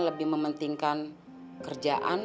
lebih mementingkan kerjaan